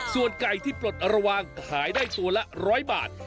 ส่วนไก่ที่ปลดระวังขายได้ตัวละ๑๐๐บาท